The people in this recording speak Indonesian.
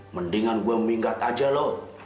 mendingan gue minggat aja loh